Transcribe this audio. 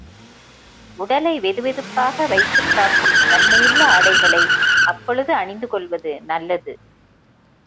உடலை வெதுவெதுப்பாக வைத்துக் காக்கும் தன்மையுள்ள ஆடைகளை அப்பொழுது அணிந்து கொள்வது நல்லது.